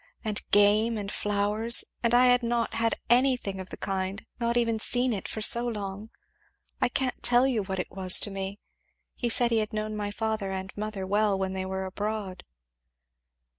and game, and flowers; and I had not had anything of the kind, not even seen it, for so long I can't tell you what it was to me. He said he had known my father and mother well when they were abroad."